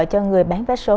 cho người bán vé số